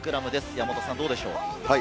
山本さん、どうでしょう？